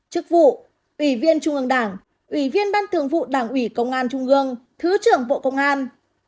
chức vụ ủy viên trung ương đảng ủy viên ban thường vụ đảng ủy công an trung ương thứ trưởng bộ công an